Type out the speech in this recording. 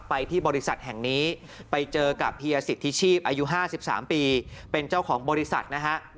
ไปที่บริษัทแห่งนี้ไปเจอกับเฮียสิทธิชีพอายุ๕๓ปีเป็นเจ้าของบริษัทนะฮะ